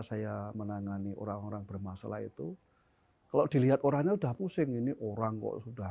saya menangani orang orang bermasalah itu kalau dilihat orangnya udah pusing ini orang kok sudah